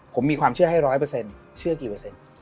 ผมมีความเชื่อให้๑๐๐เชื่อกี่เปอร์เซ็นต์